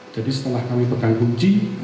jadi setelah kami pegang kunci